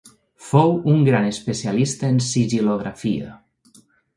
Fou un gran especialista en sigil·lografia.